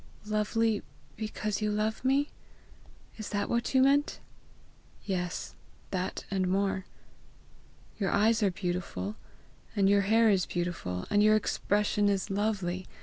"Lovely because you love me? Is that what you meant?" "Yes, that and more. Your eyes are beautiful, and your hair is beautiful, and your expression is lovely.